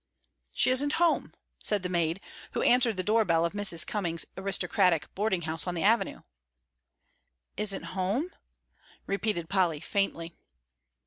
"She isn't home," said the maid, who answered the door bell of Mrs. Cummings's aristocratic boarding house on the Avenue. "Isn't home?" repeated Polly, faintly.